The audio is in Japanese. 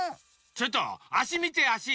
ちょっとあしみてあし。